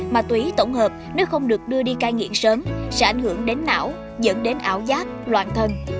ma túy tổng hợp nếu không được đưa đi cai nghiện sớm sẽ ảnh hưởng đến não dẫn đến ảo giác loạn thân